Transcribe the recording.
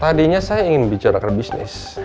tadinya saya ingin bicara ke bisnis